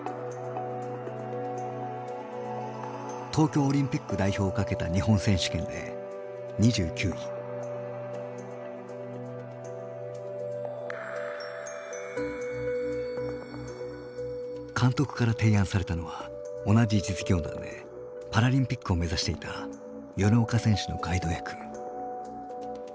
東京オリンピック代表をかけた日本選手権で監督から提案されたのは同じ実業団でパラリンピックを目指していた米岡選手のガイド役。